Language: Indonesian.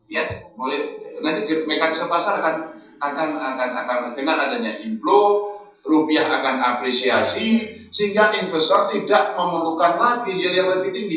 ya mekanisme pasar akan kenal adanya implu rupiah akan apresiasi sehingga investor tidak membutuhkan lagi yield yang lebih tinggi